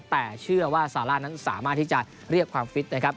แต่เชื่อว่าซาร่านั้นสามารถที่จะเรียกความฟิตนะครับ